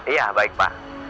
iya baik pak